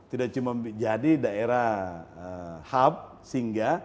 tidak cuma jadi daerah hub singga